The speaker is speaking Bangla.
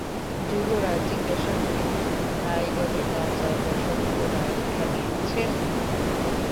যুবরাজ জিজ্ঞাসা করিলেন, রায়গড়ের রাজা বসন্ত রায় এখানে আছেন?